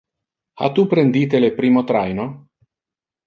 Ha tu prendite le primo traino?